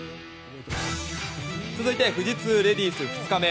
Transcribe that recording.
続いて富士通レディース２日目。